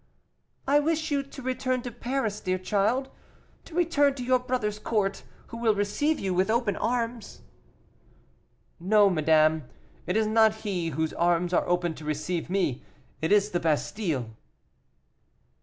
"I wish you to return to Paris, dear child, to return to your brother's court, who will receive you with open arms." "No, madame, it is not he whose arms are open to receive me it is the Bastile."